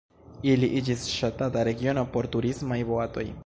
Ili iĝis ŝatata regiono por turismaj boatoj.